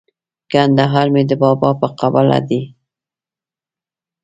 کندهار مي د بابا په قباله دی